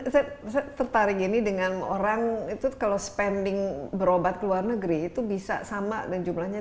saya tertarik ini dengan orang itu kalau spending berobat ke luar negeri itu bisa sama dan jumlahnya